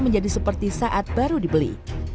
menjadi seperti saat baru dibeli